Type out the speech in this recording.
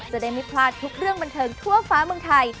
จะได้ไม่พลาดทุกเรื่องบันเทิงทั่วฟ้าเมืองไทย